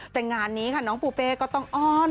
แต่งานนี้ค่ะน้องปูเป้ก็ต้องอ้อน